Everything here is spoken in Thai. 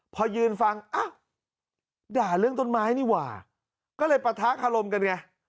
พอยืนฟังอ้าวด่าเรื่องต้นไม้นี่หว่าก็เลยปะทะคารมกันไง